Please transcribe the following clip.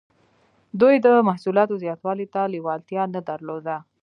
دوی د محصولاتو زیاتوالي ته لیوالتیا نه درلوده.